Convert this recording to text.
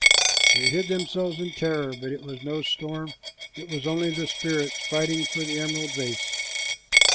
They hid themselves in terror, but it was no storm, it was only the spirits fighting for the emerald vase.